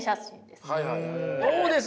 どうです？